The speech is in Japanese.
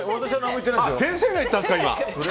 先生が言ったんですか。